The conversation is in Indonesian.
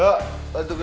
hah kita duit duit